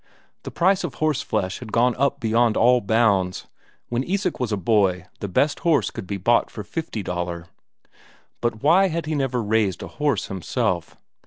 The price of horseflesh had gone up beyond all bounds: when Isak was a boy the best horse could be bought for fifty Daler. But why had he never raised a horse himself?